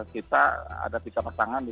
kita ada tiga pasangan di